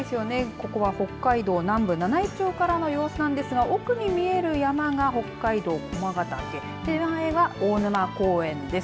ここは北海道南部七飯町からの様子ですが奥に見える山が北海道駒ヶ岳、手前が大沼公園です。